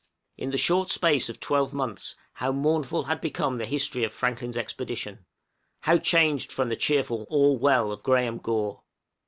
In the short space of twelve months how mournful had become the history of Franklin's expedition; how changed from the cheerful "All well" of Graham Gore!